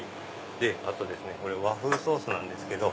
あとこれ和風ソースなんですけど。